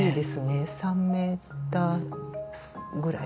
３ｍぐらい。